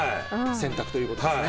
選択ということですね。